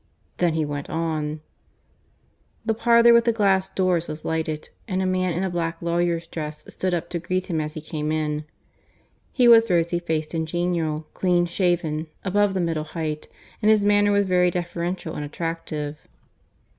Then he went on. The parlour with the glass doors was lighted, and a man in a black lawyer's dress stood up to greet him as he came in. He was rosy faced and genial, clean shaven, above the middle height, and his manner was very deferential and attractive.